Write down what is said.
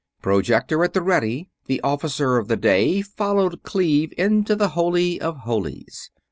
Projector at the ready, the Officer of the Day followed Cleve into the Holy of Holies.